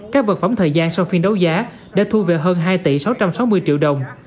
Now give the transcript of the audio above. các vật phẩm thời gian sau phiên đấu giá đã thu về hơn hai tỷ sáu trăm sáu mươi triệu đồng